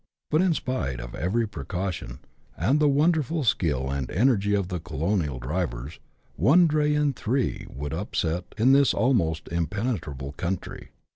But in spite of every precaution, and the wonderful skill and energy of the colonial drivers, one dray in three would upset in this almost impenetrable country.